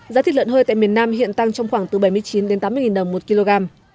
giá thịt lợn hơi tại miền nam hiện tăng trong khoảng từ bảy mươi chín đến tám mươi đồng một kg